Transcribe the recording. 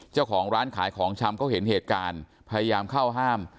เจ้าของร้านขายของชำเขาเห็นเหตุการณ์พยายามเข้าห้าม